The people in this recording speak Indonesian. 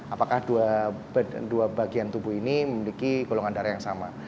apakah dua bagian tubuh ini memiliki golongan darah yang sama